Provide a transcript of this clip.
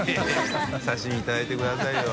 匹型いただいてくださいよ。